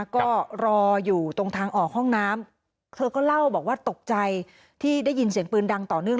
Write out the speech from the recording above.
ก็รออยู่ตรงทางออกห้องน้ำเธอก็เล่าบอกว่าตกใจที่ได้ยินเสียงปืนดังต่อเนื่อง